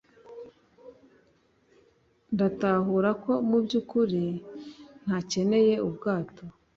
Ndatahura ko mu byukuri ntakeneye ubwato.